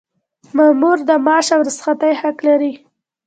مامور د معاش او رخصتۍ حق لري.